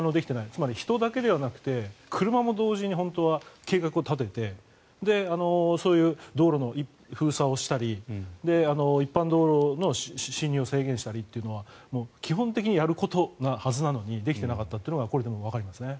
つまり、人だけではなくて車も同時に本当は計画を立ててそういう道路の封鎖をしたり一般道路の進入を制限したりというのはもう基本的にやることなはずなのにできていなかったことがこれでもわかりますね。